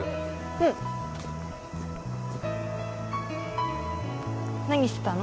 うん何してたの？